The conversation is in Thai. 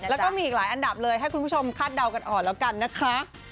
แล้วก็มีอีกหลายอันดับเลยให้คุณผู้ชมคาดเดากันอ่อนแล้วกันนะคะ